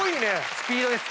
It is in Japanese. スピードです